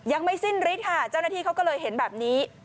ยังไม่สิ้นฤทธิ์ค่ะเจ้าหน้าที่เขาก็เลยเห็นแบบนี้